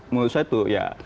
menurut saya itu ya